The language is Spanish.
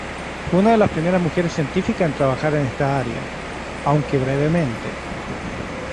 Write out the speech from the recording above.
Fue una de las primeras mujeres científicas en trabajar en esta área, aunque brevemente.